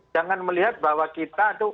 jangan melihat bahwa kita itu